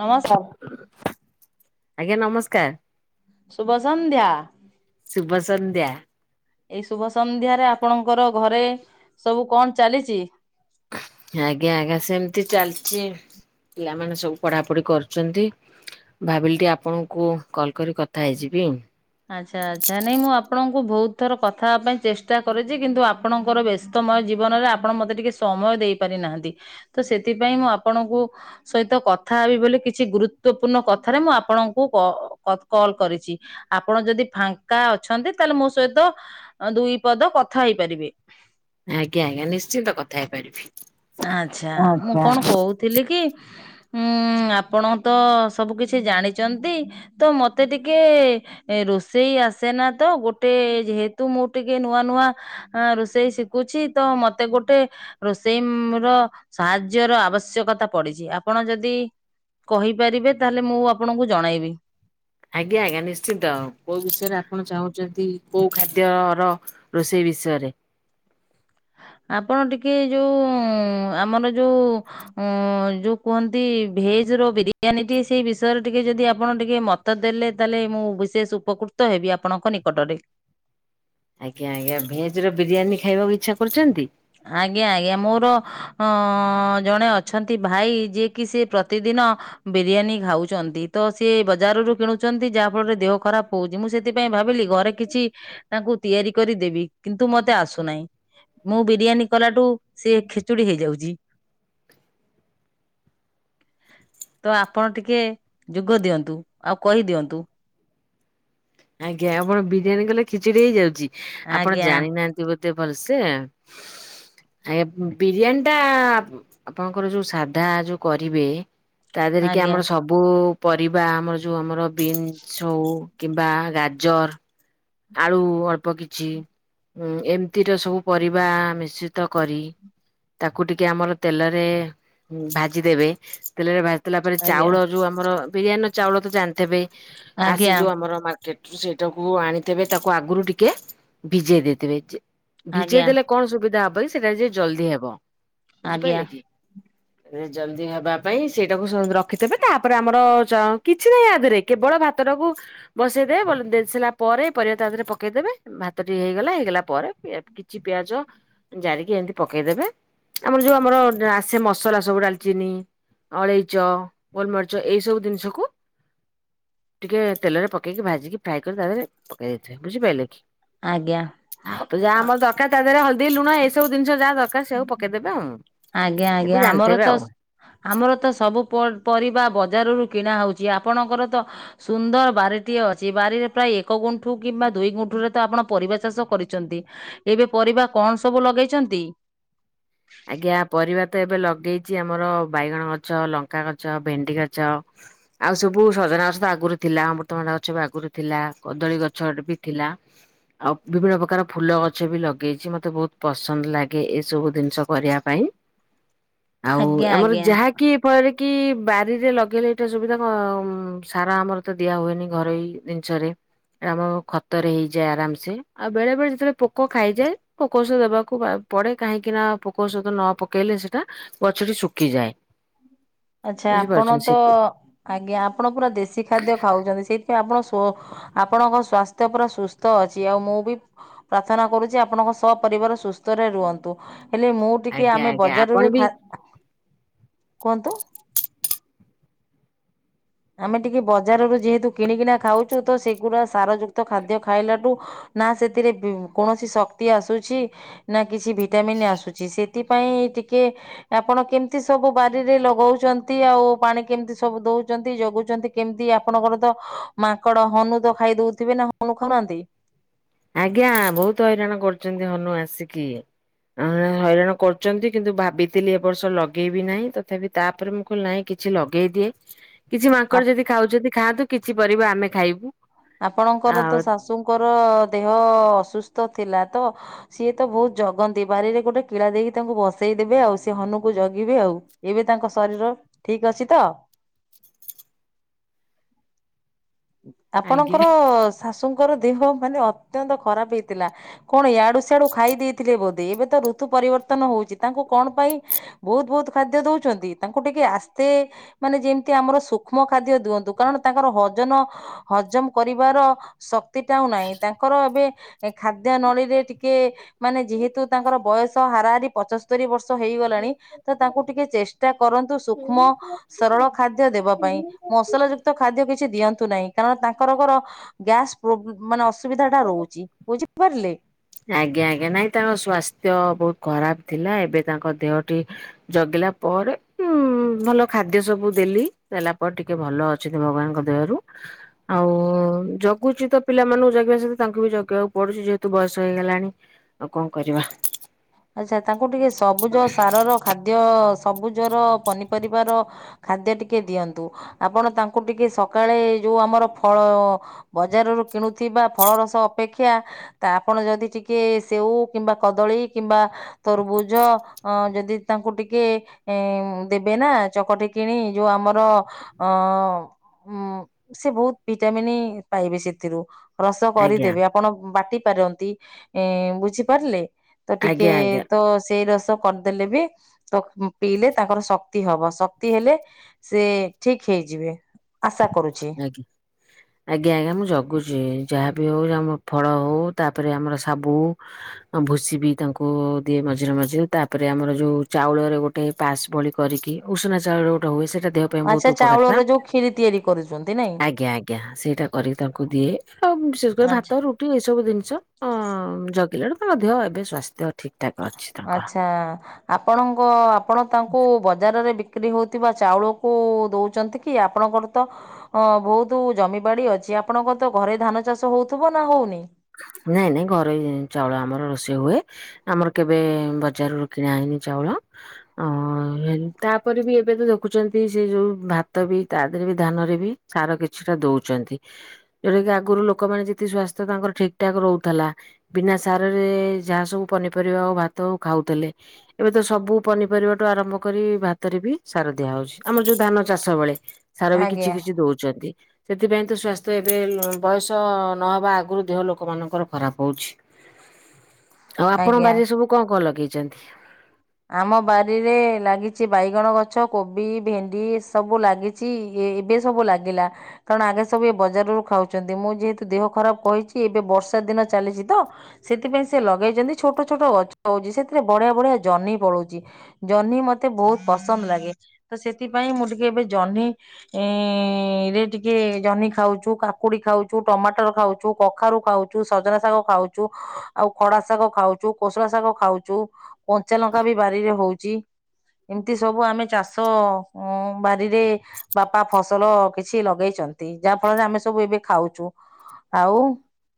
ନମସ୍କାର ହବ ଆଜ୍ଞା ନମସ୍କାର। ସୁୁଭ ସଂନ୍ଧ୍ୟା। ଶୁଭସନ୍ଧ୍ୟା। ଏଇ ଶୁଭ ସନ୍ଧ୍ୟାରେ ଆପଣଙ୍କର ଘରେ ସବୁ କଣ ଚାଲିଛି? ଆଜ୍ଞା ଆଜ୍ଞା ସେମିତି ଚାଲିଛି। ପିଲାମାନେ ସବୁ ପଢାପଢି କରୁଛନ୍ତି ଭାବିଲି ଟିକେ ଆପଣଙ୍କୁ କଲ କରି କଥା ହେଇଯିବି ଆଉ। ଆଚ୍ଛା ଆଚ୍ଛା ନାଇଁ ମୁଁ ଆପଣଙ୍କୁ ବହୁତ ଥର କଥାବା ପାଇଁ ଚେଷ୍ଟା କରିଛି କିନ୍ତୁ ଆପଣଙ୍କର ବ୍ୟସ୍ତ ତମ ଜୀବନରେ ଆପଣ ମତେ ଟିକେ ସମୟ ଦେଇ ପାରିନାହାନ୍ତି ତ ସେଥିପାଇଁ ମୁଁ ଆପଣଙ୍କୁ ସହିତ କଥାବି ବୋଲି କିଛି ଗୁରୁତଵପୂର୍ଣ୍ଣ କଥାରେ ମୁଁ ଆପଣଙ୍କୁ କ କଲ କରିଛି। ଆପଣ ଯଦି ଫାଙ୍କା ଅଛନ୍ତି ତାହେଲେ ମୋ ସହିତ ଦୁଇ ପଦ କଥା ହେଇପାରିବେ। ଆଜ୍ଞା ଆଜ୍ଞା ନିଶ୍ଚିନ୍ତ କଥା ହେଇପାରିବି। ଆଚ୍ଛା ମୁଁ କଣ କହୁଥିଲି କି ଉଁ ଆପଣ ତ ସବୁ କିଛି ଜାଣିଛନ୍ତି ତ ମତେ ଟିକେ ରୋଷେଇ ଆସେ ନା ତ ଗୋଟେ ଯେହେତୁ ମୁଁ ଟିକେ ନୂଆ ନୂଆ ରୋଷେଇ ଶିଖୁଛି ତ ମତେ ଗୋଟେ ରୋଷେଇ ର ସାହାଯ୍ୟ ର ଆବଶ୍ୟକତା ପଡିଛି ଆପଣ ଯଦି କହିପାରିବେ ତାହେଲେ ମୁଁ ଆପଣଙ୍କୁ ଜଣେଇବି। ଆଜ୍ଞା ଆଜ୍ଞା ନିଶ୍ଚନ୍ତ କୋଉ ବିଷୟରେ ଆପଣ ଚାହୁଁଛନ୍ତି କୋଉ ଖାଦ୍ୟ ର ରୋଷେଇ ବିସରେ? ହ ଆପଣ ଟିକେ ଯୋଉ ଆମର ଯୋଉ ଯୋଉ କୁହନ୍ତି ଭେଜ ର ବିରିୟାନୀ ଟି ସେଇ ବିଷୟରେ ଟିକେ ଯଦି ଆପଣ ଟିକେ ମତ ଦେଲେ ତାହେଲେ ମୁଁ ବିଶେଷ ଉପକୃତ ହେବି। ଆପଣଙ୍କ ନିକଟରେ। ଆଜ୍ଞା ଆଜ୍ଞା ଭେଜରେ ବିରିୟାନୀ ଖାଇବାକୁ ଇଚ୍ଛା କରୁଛନ୍ତି? ଆଜ୍ଞା ଆଜ୍ଞା ମୋର ଅ ଜଣେ ଅଛନ୍ତି ଭାଇ ଯିଏ କିି ସେ ପ୍ରତିଦିନ ଦିନ ବିରିୟାନୀ ଖାଉଛନ୍ତି ତ ସେ ବଜାରରୁ କିଣୁଛନ୍ତି ଯାହା ଫଳରେ ଦେହ ଖରାପ ହଉଛି ମୁଁ ସେଥି ଥିପାଇଁ ଭାବିଲି ଘରେ କିଛି ତାଙ୍କୁ ତିଆରି କରିଦବି କିନ୍ତୁ ମତେ ଆସୁନାହିଁ। ମୁଁ ବିରିୟାନୀ କଲାଠୁ ସିଏ ଖେଚୁଡ଼ି ହେଇଯାଉଛି। ତ ଆପଣ ଟିକେ ଯୋଗ ଦିଅନ୍ତୁ ଆଉ କହିଦିଅନ୍ତୁ। ଆଜ୍ଞା ଆପଣ ବିରିୟାନୀ କଲେ ଖିଚୁଡି ହେଇଯାଉଛି ଆପଣ ଆଜ୍ଞା ଜାଣିନାହାନ୍ତି ବୋ ଧେ ଭଲସେ ଆ ଆଜ୍ଞା ବିରିୟାନୀ ଟା ଆପଣଙ୍କର ଯୋଉ ସାଧା ଯୋଉ କରିବେ। ତା ଦେହରେ କି ଆଜ୍ଞା ଆମର ସବୁ ପରିବା ଆମର ଯୋଉ ଆମର ବିନ୍ସ ହଉ କିମ୍ବା ଗାଜର ଆଳୁ ଅଳ୍ପ କିଛି। ଉଁ ଏମିତିଟ ସବୁ ପରିବା ମିଶ୍ରିତ କରି ତାକୁ ଟିକେ ଆମର ତେଲରେ ଭାଜି ଦେବେ ତେଲରେ ଭା ଦେଲା ପରେ ଆଜ୍ଞା ଚାଉଳ ଯୋଉ ଆମର ବିରିୟାନୀର ଚାଉଳ ତ ଜାଣିଥିବେ ଆସେ ଆଜ୍ଞା ଯୋଉ ଆମର ମା କେଟ୍ ସେଇଟାକୁ ଆଣିଥେବେ ତାକୁ ଆଗରୁ ଟିକେ ଭିଜେଇ ଦେଇଥିବେ। ଭିଜେଇ ଆଜ୍ଞା ଦେଲେ କଣ ସୁବିଧା ହବ କି ସେଟା ଯ ଜଲଦି ହବ ଆଜ୍ଞା ବୁଝିପାରିଲେ କି? ଜଲଦି ହବା ପାଇଁ ସେଇଟାକୁ ସେ ରଖିଦବେ ତାପରେ ଆମର କିଛି ନାହିଁ ଆଧରେ କେବଳ ଭା ତଟାକୁ ବସେଇଦେବେ ବ ଦେଇସିଲା ପରେ ପରିବା ତା ଦେହରେ ପକେଇଦେବେ ଭାତ ଟି ହେଇଗଲା ହେଇଗଲା ପରେ କିଛି ପିଆଜ ଜାରିକି ଏମତି ପକେଇ ପକେଇଦବେ ଆମର ଯୋଉ ଆମର ଆସେ ମସଲା ସବୁ ଡାଲଚିନି ଅଳେଇଚ ଗୋଲମରିଚ ଏଇ ସବୁ ଜିନିଷକୁ ଟିକେ ତେଲରେ ପକେଇକି ଭାଜିକି ଫ୍ରାଏ କରି ତା ଦେହରେ ପକେଇ ଦେଇ ଦେଇଥିବେ ବୁଝିପାରିଲେ କି? ଆଜ୍ଞା ଆଉ ତ ଯାହା ଆମର ଦରକାର ତା ଦେହରେ ହଳଦୀ ଲୁଣ ଏଇ ସବୁ ଜିନିଷ ଯାହା ଦରକାର ସେ ସବୁ ପକେଇଦେବେ ଆଉ। ଆଜ୍ଞା ଏ ତ ଆଜ୍ଞା ଆମର ଜାଣିଥିବେ ତ ଆଉ। ଆମର ତ ସବୁ ପରିବା ବଜାରରୁ କିଣା ହଉଛି ଆପଣଙ୍କର ତ ସୁନ୍ଦର ବାରିଟିଏ ଅଛି ବାରିରେ ପ୍ରାୟ ଏକ ଗୁଣ୍ଠୁ କିମ୍ବା ଦୁଇ ଗୁଣ୍ଠୁରେ ତ ଆପଣ ପରିବା ଚାଷ କରିଛନ୍ତି ଏବେ ପରିବା କଣ ସବୁ ଲଗେଇଛନ୍ତି? ଆଜ୍ଞା ପରିବା ତ ଏବେ ଲଗେଇଛି ଆମର ବାଇଗଣ ଗଛ, ଲଙ୍କା ଗଛ, ଭେଣ୍ଡି ଗଛ। ଆଉ ସବୁ ସଜନା ଗଛ ତ ଆଗରୁ ଥିଲା ଅମୃତଭଣ୍ଡା ଗଛ ବି ଆଗରୁ ଥିଲା କଦଳୀ ଗଛ ଟେ ବି ଥିଲା। ଆଉ ବିଭିନ୍ନ ପ୍ରକାର ଫୁଲ ଗଛ ବି ଲଗେଇଛି ମତେ ବହୁତ ପସନ୍ଦ ଲାଗେ ଏ ସବୁ ଜିନିଷ। ପରିବା ପାଇଁ ଆଉ ଆଜ୍ଞା ଆମର ଆଜ୍ଞା ଯାହାକି ଫଳରେ କି ବାରିରେ ଲଗେଇଲେ ଏଇଟା ସୁବିଧା କ ସାର ଆମର ତ ଦିଆ ହୁଏନି ଘରୋଇ ଜିନିଷରେ ଆମ ଖତରେ ହେଇଯାଏ ଆରାମ ସେ ଆଉ ବେଳେ ବେଳେ ଯେତେବେଳେ ପୋକ ଖାଇଯାଏ ପୋକ ଓଷଦ ଦେବାକୁ ବା ପଡେ କାହିଁକି ନା ପୋକ ଓସଧ ନ ପକେଇଲେ ସେଟା ଗଛଟି ଶୁଖିଯାଏ। ଆଚ୍ଛା ଆପଣ ବୁଝିପାରୁଛନ୍ତି ତ ସେ ଆଜ୍ଞା ଆପଣ ପୁରା ଦେଶୀ ଖାଦ୍ୟ ଖାଉଛନ୍ତି ସେଇଥିପାଇଁ ଆପଣ ପ ଆପଣଙ୍କ ସ୍ଵାସ୍ଥ୍ୟ ପୁରା ସୁସ୍ଥ ଅଛି। ଆଉ ମୁଁ ବି ପ୍ରାର୍ଥନା କରୁଛି ଆପଣଙ୍କ ସପ ପରିବାର ସୁସ୍ଥ ରେ ରୁହନ୍ତୁ। ହେଲେ ମୁଁ ଟିକେ ଆଜ୍ଞା ଆମେ ଆଜ୍ଞା ଆପଣ ବଜାରରୁ ବି ଖା କୁହନ୍ତୁ? ଆମେ ଟିକେ ବଜାରରୁ ଯେହେତୁ କିଣିକିନା ଖାଉଛୁ ତ ସେଗୁୁରା ସାର ଯୁକ୍ତ ଖାଦ୍ୟ ଖାଇଲାଠୁ ନା ସେଥିରେ ବି କୌଣସି ଶକ୍ତି ଆସୁଛି ନା କିଛି ଭିଟାମିନ୍ ଆସୁଛି ସେଥିପାଇଁ ଟିକେ ଆପଣ କେମିତି ସବୁ ବାରିରେ ଲଗଉଛନ୍ତି ଆଉ ପାଣି କେମିତି ସବୁ ଦଉ ଚନ୍ତି ଜଗୁଛନ୍ତି କେମିତି ଆପଣଙ୍କର ତ ମାଙ୍କଡ ହନୁ ତ ଖାଇ ଦଉଥିବେ। ନା ହନୁ ଖାଉନାହାନ୍ତି? ଆଜ୍ଞା ବହୁତ ହଇରାଣ କରୁଛନ୍ତି ହନୁ ଆସିକି। ଆଁ ହଇରାଣ କରୁଛନ୍ତି କିନ୍ତୁ ଭାବିଥିଲି ଏ ବର୍ଷ ଲଗେଇବି ନାହିଁ ତଥାପି ତାପରେ ମୁଁ କହିଲି ନାଇଁ କି କିଛି ଲଗେଇ ଦିଏ କିଛି ମାଙ୍କଡ ଯଦି ଖାଉଛନ୍ତି ଖାଆନ୍ତୁ କିଛି ପରିବା ଆମେ ଖାଇବୁ। ଆପଣଙ୍କର ଆଉ ତ ଶାଶୁଙ୍କର ଦେହ ଅସୁସ୍ଥ ଥିଲା ତ ସିଏ ତ ବହୁତ ଜଗନ୍ତି ବାରିରେ ଗୋଟେ କିଳା ଦେଇକି ତାଙ୍କୁ ବସେଇ ଦେବେ ଆଉ ସେ ହନୁକୁ ଜଗିବେ ଆଉ। ଏବେ ତାଙ୍କ ଶରୀର ଠିକ ଅଛି ତ? ଆଜ୍ଞା ଆପଣଙ୍କର ଶାଶୁଙ୍କର ଦେହ ମାନେ ଅତ୍ୟନ୍ତ ଖରାପ ହେଇଥିଲା କଣ ଇଆ ଡୁ ସାତୁ ଖାଇ ଦେଇଥିଲେ ବୋ ଏବେ ତ ଋତୁ ପରିବର୍ତ୍ତନ ହଉଚି ତାଙ୍କୁ କଣ ପାଇଁ ବହୁତ୍ ବହୁତ୍ ଖାଦ୍ୟ ଦଉଛନ୍ତି? ତାଙ୍କୁ ଟିକେ ଆସ୍ ସେ ମାନେ ଯେମିତି ଆମର ସୂକ୍ଷ୍ମ ଖାଦ୍ୟ ଦିଅନ୍ତୁ କାରଣ ତାଙ୍କର ହଜନ ହଜମ କରିବାର ଶକ୍ତିଟା ଆଉ ନାଇ ତାଙ୍କର ଏବେ ଖାଦ୍ୟ ନଳୀରେ ଟିକେ ମାନେ ଯେହେତୁ ତାଙ୍କର ବୟସ ହାରାହାରି ପଚସ୍ତରୀ ବର୍ଷ। ତ ହେଇଗଲାଣି ତ ତାଙ୍କୁ ଟିକେ ଚେଷ୍ଟା କରନ୍ତୁ ସୂକ୍ଷ୍ମ ସରଳ ଖାଦ୍ୟ ଦେବା ପାଇଁ। ମସଲା ଯୁକ୍ତ ଖାଦ୍ୟ କିଛି ଦିଅନ୍ ନ୍ତୁ ନାଇ କାରଣ ତାଙ୍କରକର ଗ୍ୟାସ ପ୍ରୋ ମାନେ ଅସୁବିଧା ଟା ରହୁଚି ବୁଝିପାରିଲେ? ଆଜ୍ଞା ଆଜ୍ଞା ନାଇଁ ତାଙ୍କ ସ୍ୱାସ୍ଥ୍ୟ ବହୁତ୍ ଖରାପ ଥିଲା ଏବେ ତାଙ୍କ ଦେହଟି ଜଗିଲା ପରେ ଉଁ ଭଲ ଖାଦ୍ୟ ସବୁ ଦେଲି ଦେଲା ପରେ ଟିକେ ଭଲ ଅଛିତ ଭଗବାନଙ୍କ ଦୟାରୁ। ଆଉ ଜଗୁଚି ତ ପିଲାମାନକୁ ଜାଗିବା ସହିତ ତାଙ୍କୁ ବି ଜଗିବାକୁ ପଡୁଛି ଯେହେତୁ ବୟସ୍ ହେଇଗଲାଣି ଆଉ କଁ କରିବା। ଆଚ୍ଛା ତାଙ୍କୁ ଟିକେ ସବୁଜ ସାରର ଖାଦ୍ୟ ସବୁଜର ପନିପରିବାର ଖାଦ୍ୟ ଟିକେ ଦିଅନ୍ତୁ ଆପଣ ତାଙ୍କୁ ଟିକେ ସକାଳେ ଯୋଉ ଆମର ଫଳ ବଜାରରୁ କିଣୁଥିବା ଫଳ ରସ ଅପେକ୍ଷା ତା ଆପଣ ଯଦି ଟି କେ ସେଉ କିମ୍ବା କଦଳୀ କିମ୍ବା ତରଭୁଜ ଅ ଯଦି ତାଙ୍କୁ ଟିକେ ଏଁ ଦେବେ ନା ଚକଟି କିଣି ଯୋଉ ଆମର ଅ ଉଁ ସେ ବହୁତ୍ ଭିଟାମିନି ପାଇବେ ସେଥିରୁ। ରସ ଆଜ୍ଞା କରିଦେବେ ଆପଣ ବାଟି ପାରନ୍ତି ଏଁ ବୁଝିପାରିଲେ। ତ ଟିକେ ଆଜ୍ଞା ଆଜ୍ଞା ତ ସେଇ ରସ୍ ତ କରିଦେଲେ ବି ତ ପିଇଲେ ତାଙ୍କର ଶକ୍ତି ହବ ଶକ୍ତି ହେଲେ ସେ ଠିକ୍ ହେଇଯିବେ। ଆଶା କରୁଛି ଆଞା ଆଜ୍ଞା ଆଜ୍ଞା ମୁଁ ଜଗୁଚି ଯାହାବି ହଉ ଆମ ଫଳ ହଉ ତାପରେ ଆମର ସାବୁ ଭୁସି ବି ତାଙ୍କୁ ଦିଏ ମଝିରେ ମଝିରେ ତାପରେ ଆମର ଯୋଉ ଚାଉଳରେ ଗୋଟେ ପାସ୍ ପଳି କରିକି ଉଷୁନା ଚାଉଳରେ ଗୋଟେ ହୁଏ ସେଇଟା ଦେହ ପାଇଁ ବହୁତ ଆଚ୍ଛା। ଉପକାରିତା। ଚାଉଳରେ ଯୋଉ ଖିରି ତିଆରି କରୁଚନ୍ତି। ଆଜ୍ଞା ଆଜ୍ଞା। ସେଇଟା କରିକି ତାଙ୍କୁ ଦିଏ, ଆଉ ବିଶେଷ କରି ଆଚ୍ଛା। ଭାତ, ରୁଟି ଏଇ ସବୁ ଜିନଷ ଅଂ ହଁ ଜଗିଲାଳୁ ତାଙ୍କ ଦେହ ଏବେ ସ୍ୱାସ୍ଥ୍ୟ ଠିକ ଠାକ ଅଛି ତାଙ୍କର ଆଚ୍ଛା। ଆପଣଙ୍କ ଆପଣ ତାଙ୍କୁ ବଜାରରେ ବିକ୍ କ୍ରି ହଉଥିବା ଚାଉଳକୁ ଦଉଚନ୍ତି କି? ଆପଣଙ୍କର ତ ଅ ବହୁତ ଜମିବାଡି ଅଛି ଆପଣଙ୍କର ତ ଘରେଇ ଧାନ ଚାଷ ହଉଥିବ ନା ହଉନି? ନାଇଁ ନାଇଁ ଘରୋଇ ଚାଉଳ ଆମର ରୋଷେଇ ହୁଏ। ଆମର କେବେ ବଜାରରୁ କିଣା ହେଇନି ଚାଉଳ ଅ ତାପରେ ବି ଏବେ ତ ଦେଖୁଚନ୍ତି ସେ ଯୋଉ ଭାତ ବି ତା ଦେହରେ ବି ଧାନ ନରେ ବି ସାର କିଛିଟା ଦଉଚନ୍ତି। ଯୋଉଟା କି ଆଗରୁ ଲୋକମାନେ ଯେତିକି ସ୍ୱାସ୍ଥ୍ୟ ତାଙ୍କର ଠିକ୍ ଠାକ୍ ରଉଥେଲା, ବିନା ସାରରେ ଯାହା ସବୁ ପନିପରିବା ହଉ ଭାତ ହଉ ଖାଉଥିଲେ ଏବେ ତ ସବୁ ପନିପରିବା ଠୁ ଆରମ୍ଭ କରି ଭାତରେ ବି ସାର ଦିଆ ହଉଚି। ଆମର ଯୋଉ ଧାନ ଚାଷ ବେଳେ ସାର ବି କିଛି ଆଜ୍ଞା କିଛି ଦଉଚନ୍ତି। ସେଥିପାଇଁ ତ ସ୍ଵାସ୍ଥ୍ୟ ଏବେ ବୟସ ନହବା ଆଗରୁ ଦେହ ଲୋକମାନଙ୍କର ଖରାପ ହଉଚି। ଆଉ ଆପଣଙ୍କ ଆଜ୍ଞା। ବାରିରେ ସବୁ କଅଁ କଅଁ ଲଗେଇ ଚନ୍ତି। ଆମ ବାରିରେ ଲାଗିଚି ବାଇଗଣ ଗଛ, କୋବି, ଭେଣ୍ଡି ଏସବୁ ଲାଗିଚି ଏ ଏବେ ସବୁ ଲାଗିଲା। କାରଣ ଆଗେ ସବୁ ଏ ବଜାରରୁ ଖାଉଚନ୍ତି, ମୁଁ ଯେହେତୁ ଦେହ ଖରାପ କହିଚି ଏବେ ବ ର୍ଷା ଦିନ ଚାଲିଚି ତ, ସେତିପାଇଁ ସେ ଲଗେଇଚନ୍ତି ଛୋଟ ଛୋଟ ଗଛ ହଉଚି, ସେଥିରେ ବଢିଆ ବଢିଆ ଜହ୍ନି ଫଳଉଚି। ଜହ୍ନି ମତେ ବହୁତ୍ ପସନ୍ଦ ଲାଗେ ତ ସେଥିପାଇଁ ମୁଁ ଟିକେ ଏବେ ଜହ୍ନି ଏଁ ରେ ଟିକେ ଜହ୍ନି ଖାଉଚୁ, କାକୁଡି ଖାଉଚୁ, ଟମାଟର ଖାଉଚୁ, କଖାରୁ ଖାଉଚୁ, ସଜନା ଶାଗ ଖାଉଚୁ, ଆଉ ଖଡା ଶାଗ ଖାଉଚୁ, କୋଷଳା ଶାଗ ଖାଉଚୁ କଞ୍ଚାଲଙ୍କା ବି ବାରିରେ ହଉଚି ଏମତି ସବୁ ଆମେ ଚାଷ ଉଁ ବାରିରେ ବାପା ଫସଲ କିଛି ଲଗେଇଛ ଛନ୍ତି। ଯାହାଫଳରେ ଆମେ ସବୁ ଏବେ ଖାଉଛୁ। ଆଉ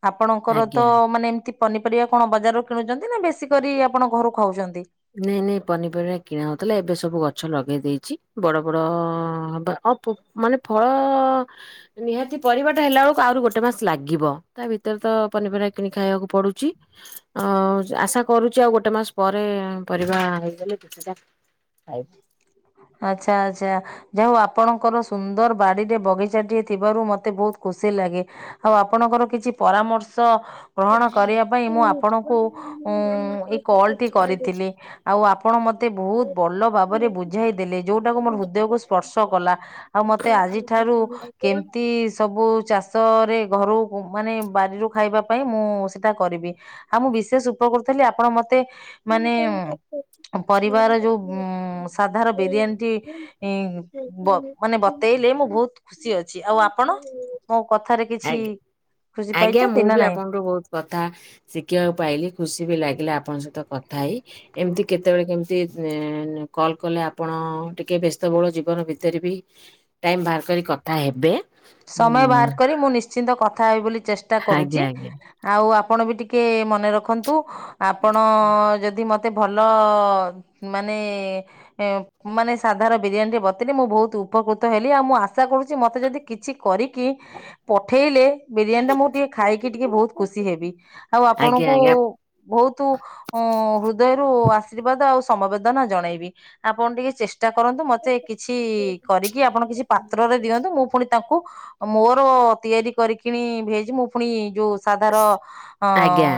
ଆପଣଙ୍କର ତ ଆଜ୍ଞା। ମାନେ ଏମତି ପନିପରିବା କଣ ବଜାରରୁ କିଣୁଚନ୍ତି ନା ବେଶୀ କରି ଆପଣ ଘରୁ ଖାଉଛନ୍ତି? ନାଇଁ ନାଇଁ ପନିପରିବା କିଣା ହଉଥିଲା ଏବେ ସବୁ ଗଛ ଲଗେଇ ଦେଇ ଚି। ବଡ ବଡ ଅ ବା ଅଫ୍ ମାନେ ଫଳ ନିହାତି ପରିବାଟା ହେଲା ବେଳକୁ ଆହୁରି ଗୋଟେ ମାସ ଲାଗିବ। ତା ଭିତରେ ତ ପନିପରିବା କିଣି ଖାଇବାକୁ ପଡୁଛି। ଆଉ ଆଶା କରୁଚି ଆଉ ଗୋଟେ ମାସ ପରେ ପରିବା ହେଇଗଲେ କିଛିଟା ଖାଇବ। ହ ଆଚ୍ଛା ଆଚ୍ଛା। ଯାହାହଉ ଆପଣଙ୍କର ସୁନ୍ଦର ବାଡିରେ ବଗିଚାଟିଏ ଥିବାରୁ ମତେ ବହୁତ ଖୁସି ଲାଗ ଲାଗେ। ଆଉ ଆପଣଙ୍କର କିଛି ପରାମର୍ଶ ଗ୍ରହଣ କରିବା ପାଇଁ ମୁଁ ଆପଣଙ୍କୁ ଉମ୍ ଏ କଲ୍ ଟି କରିଥିଲି। ଆଉ ଆ ଆପଣ ମୋତେ ବହୁତ ବଲ ଭାବରେ ବୁଝାଇ ଦେଲେ, ଯୋଉଟାକୁ ମୋର ହୃଦୟକୁ ସ୍ପର୍ଶ କଲା। ଆଉ ମତେ ଆଜିଠାରୁ କେମତି ସବୁ ଚାଷରେ ଘରୁ ମାନେ ବାରିରୁ ଖାଇବା ପାଇଁ ମୁଁ ସେଟା କରିବି। ଆଉ ମୁଁ ବିଶେଷ ଉପ କୃତ ହେଲି ଆପଣ ମତେ ମାନେ ପରିବାର ଯୋଉ ଉମ୍ ସାଧାର ବିରିୟାନୀଟି ଇ ବ ମାନେ ବତେଇଲେ, ମୁଁ ବହୁତ ଖୁସି ଅଛି। ଆଉ ଆପଣ? ମୋ କଥାରେ କିଛି ଆଜ୍ଞା ଖୁସି ଆଜ୍ଞା। ପାଇଛନ୍ତି ମୁଁ ନା ବି ନାଇଁ? ଆପଣଙ୍କଠୁ ବହୁତ କଥା ଶିଖିବାକୁ ପାଇଲି, ଖୁସି ବି ଲାଗିଲା ଆପଣଙ୍କ ସହିତ କଥା ହେଇ, ଏମତି କେତେବେଳେ କେମତି କଲ୍ କଲେ ଆପଣ ଟିକେ ବ୍ୟସ୍ତବହୁଳ ଜୀବ ନ ଭିତରେ ବି ଟାଇମ ବାହାର କରି କଥା ହେବେ। ସମୟ ହୁଁ ବାହାର କରି ମୁଁ ନିଶ୍ଚିନ୍ତ କଥା ହେବି ବୋଲି ଚେଷ୍ଟା କରୁଚି। ଆଜ୍ଞା ଆଜ୍ଞା ଆଉ ଆପ ଆପଣ ବି ଟିକେ ମନେ ରଖନ୍ତୁ, ଆପଣ ଯଦି ମତେ ମତେ ଭଲ ମାନେ ମାନେ ସାଧାର ବିରିୟାନୀଟି ବତେଇଲେ ମୁଁ ବହୁତ ଉପକୃତ ହେଲି, ଆଉ ମୁଁ ଆଶା କରୁଛି ମତେ ଯଦି କିଛି କରିକି ପଠେଇଲେ ବିରିୟାନୀଟା ମୁଁ ଟିକେ ଖାଇକି ଟିକେ ବହୁତ ଖୁସି ହେବି। ଆଉ ଆଜ୍ଞା ଆପଣଙ୍କୁ ଆଜ୍ଞା ବହୁତୁ ମୁଁ ହୃଦୟରୁ ଆଶୀର୍ବାଦ ଆଉ ସମବେଦନା ଜଣେଇବି। ଆପଣ ଟିକେ ଚେଷ୍ଟା ଚେଷ୍ଟା କରନ୍ତୁ ମତେ କିଛି କରିକି ଆପଣ କିଛି ପାତ୍ରରେ ଦିଅନ୍ତୁ ମୁଁ ପୁଣି ମକୁ ମୋର ତିଆରି କରିକିଣି ଭେଜ ମୁଁ ପୁଣି ଯୋଉ ସାଧାର ଅ ଆଜ୍ଞା।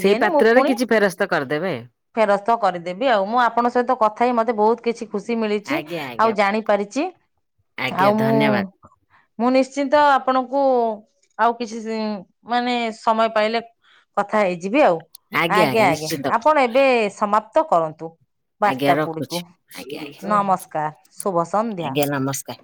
ସେଇ ମୁଁ ପାତ୍ରରେ ଫୁଣି କିଛି ଫେରସ୍ତ କରିଦେବେ ଫେରସ୍ତ କରିଦେବି ଆଉ ମୁଁ ଆପଣଙ୍କ ସହିତ କଥା ହେଇ ମତେ ବହୁତ କିଛି ଖୁସି ମିଳିଚି ଆଜ୍ଞା ଆଉ ଆଜ୍ଞା ଜାଣି ପାରିଛି ଆଜ୍ଞା ଆଉ ମୁଁ ଧନ୍ୟବାଦ। ମୁଁ ନିଶ୍ଚିନ୍ତ ଆପଣଙ୍କୁ ଆଉ କିଛି ମାନେ ସମୟ ପାଇଲେ କଥା ହେଇଯିବି ଆଉ ଆଜ୍ଞା ଆଜ୍ଞା ଆପଣ ଏବେ ସମାପ୍ତ କରନ୍ତୁ। ଆଜ୍ଞା ବାର୍ତ୍ତା ରଖୁଛି ଗୁଡିକୁ ଆଜ୍ଞା ଆଜ୍ଞା ନମସ୍କାର ଶୁଭ ସନ୍ଧ୍ୟା। ଆଜ୍ଞା ନମସ୍କାର।